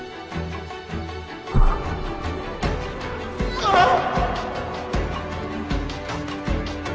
あっ！